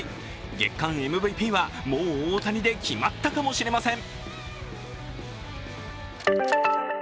月間ＭＶＰはもう大谷で決まったかもしれません。